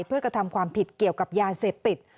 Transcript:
เพื่อกระทำความผิดเกี่ยวกับยาเสพติด